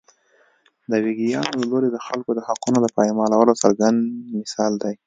د ویګیانو له لوري د خلکو د حقونو د پایمالولو څرګند مثال دی.